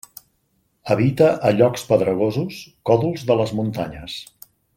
Habita a llocs pedregosos, còdols de les muntanyes.